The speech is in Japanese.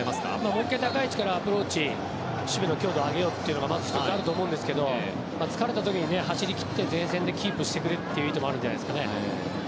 もう１回高い位置からアプローチ守備の強度を上げようというのが１つあると思うんですけど疲れた時に走り切って前線でキープしてくれという意図もあるんじゃないですか。